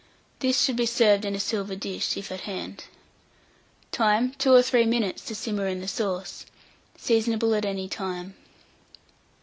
This should be served in a silver dish, if at hand. Time. 2 or 3 minutes to simmer in the sauce. Seasonable at any time.